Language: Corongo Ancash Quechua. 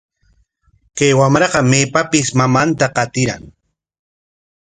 Kay wamraqa maypapis mamanta qatiran.